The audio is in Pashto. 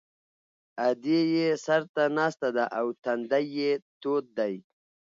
ادې یې سر ته ناسته ده او تندی یې تود دی